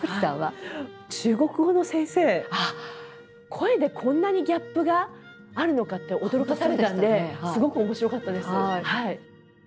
声でこんなにギャップがあるのかって驚かされたんですごく面白かったです。